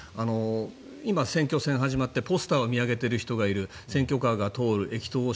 今、選挙戦が始まってポスターを見上げている人がいる選挙カーが通る。